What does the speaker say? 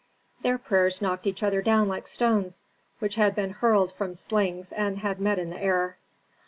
Their prayers knocked each other down like stones which had been hurled from slings and had met in the air.